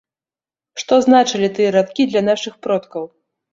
Што значылі тыя радкі для нашых продкаў?